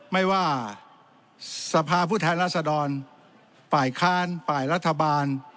ไม่ว่าสภาพุทธรรษฎรป่ายคารป่ายรัฐบาล